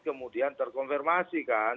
kemudian terkonfirmasi kan